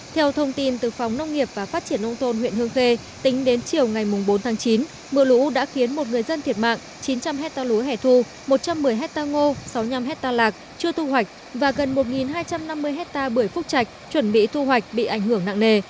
theo thông tin từ phòng nông nghiệp và phát triển nông thôn huyện hương khê tính đến chiều ngày bốn tháng chín mưa lũ đã khiến một người dân thiệt mạng chín trăm linh hectare lúa hẻ thu một trăm một mươi hectare ngô sáu mươi năm hectare lạc chưa thu hoạch và gần một hai trăm năm mươi hectare bưởi phúc trạch chuẩn bị thu hoạch bị ảnh hưởng nặng nề